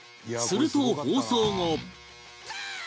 すると放送後